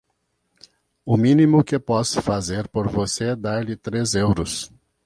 O mínimo que posso fazer por você é dar-lhe três euros.